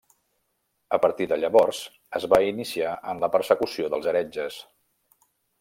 A partir de llavors es va iniciar en la persecució dels heretges.